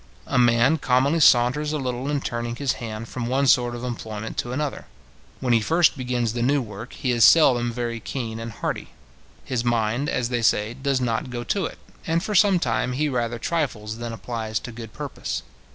A man commonly saunters a little in turning his hand from one sort of employment to another. When he first begins the new work, he is seldom very keen and hearty; his mind, as they say, does not go to it, and for some time he rather trifles than applies to good purpose.